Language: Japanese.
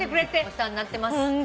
お世話になってます。